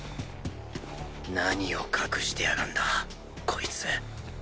何を隠してやがんだこいつ